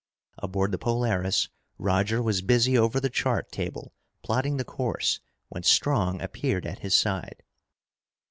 Aboard the Polaris, Roger was busy over the chart table plotting the course when Strong appeared at his side.